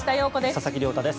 佐々木亮太です。